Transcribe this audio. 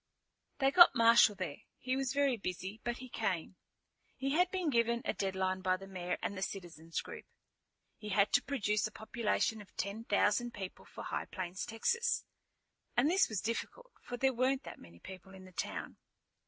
They got Marshal there. He was very busy, but he came. He had been given a deadline by the mayor and the citizen's group. He had to produce a population of ten thousand people for High Plains, Texas; and this was difficult, for there weren't that many people in the town.